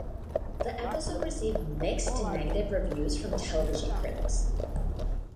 The episode received mixed to negative reviews from television critics.